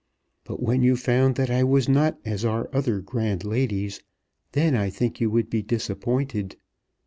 But when you found that I was not as are other grand ladies, then I think you would be disappointed.